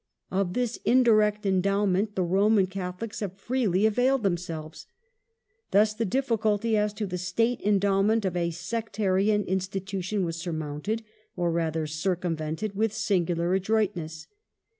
Of this indirect endowment the Roman Catholics have freely availed themselves. Thus the difficulty as to the state endowment of a sectarian institution was surmounted, or rather circumvented, with singular adroitness.